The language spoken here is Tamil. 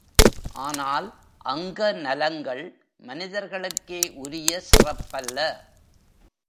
ஆனால் அங்க நலங்கள் மனிதர்களுக்கே உரிய சிறப்பல்ல.